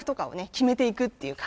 決めていくっていうか。